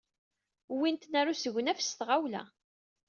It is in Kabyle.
Wwin-tent ɣer usegnaf s tɣawla.